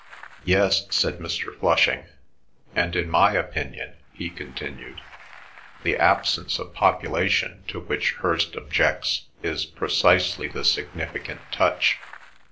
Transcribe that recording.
"Yes," said Mr. Flushing. "And in my opinion," he continued, "the absence of population to which Hirst objects is precisely the significant touch.